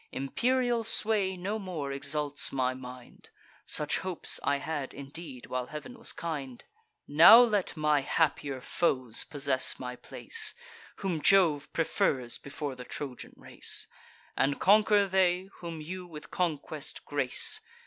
Imperial sway no more exalts my mind; (Such hopes I had indeed, while Heav'n was kind;) Now let my happier foes possess my place, Whom Jove prefers before the Trojan race; And conquer they, whom you with conquest grace.